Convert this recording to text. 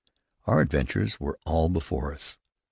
Our adventures were all before us.